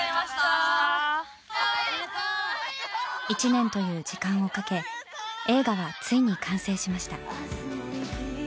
１年という時間をかけ映画は、ついに完成しました。